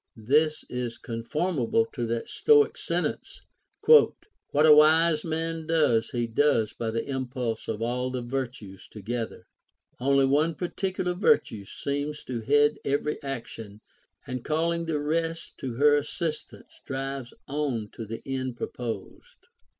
This is conformable to that Stoic sentence, '' What a wise man does he does by the impulse of all the virtues together ; only one particular virtue seems to head every action, and calling the rest to her assistance drives on to the end proposed."